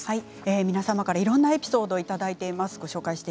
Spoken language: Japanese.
皆様からいろんなエピソードをいただいています。